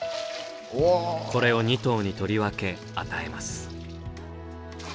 これを２頭に取り分け与えます。